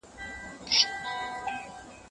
د صحيح نيت له امله مسلمان ته څنګه ثوابونه حاصلېږي؟